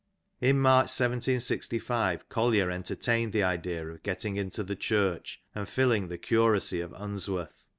In March 1765 Collier entertained the idea of getting into the Church and filling the curacy of Unsworth {W.